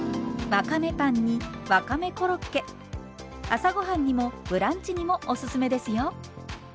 朝ご飯にもブランチにもおすすめですよ！